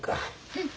うん。